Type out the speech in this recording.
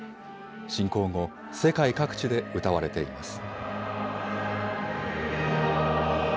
侵攻後、世界各地で歌われています。